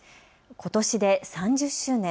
ことしで３０周年。